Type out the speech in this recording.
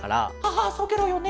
ああそうケロよね。